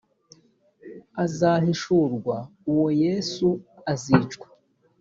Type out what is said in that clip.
azahishurwa uwo yesu azica